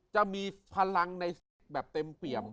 จะมีพลังในเซคแบบเต็มเปี่ยม